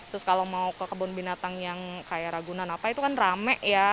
terus kalau mau ke kebun binatang yang kaya ragunan apa itu kan rame ya